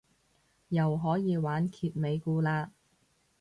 又可以玩揭尾故嘞